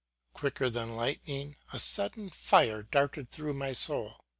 Quicker than lightning a sudden fire darted through my soul.